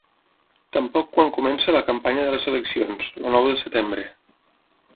Tampoc quan comenci la campanya de les eleccions, el nou de setembre.